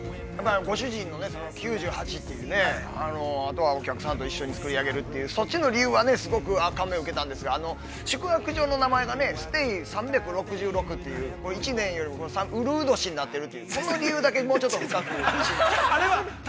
◆ご主人の９８というあとは、お客さんと一緒につくり上げるという、そっちの理由は、すごく感銘を受けたんですが、宿泊上の名前がね、ステイ３６６という、１年よりも、うるう年になってるというその理由だけ、スタッフ、聞いてほしかった。